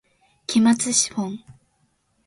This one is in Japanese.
期末資本